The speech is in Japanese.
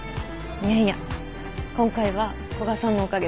いやいや今回は古賀さんのおかげです。